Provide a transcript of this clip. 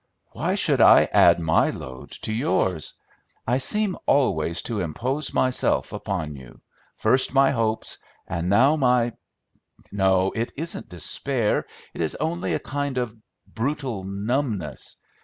"Why should I add my load to yours? I seem always to impose myself upon you, first my hopes, and now my no, it isn't despair; it is only a kind of brutal numbness.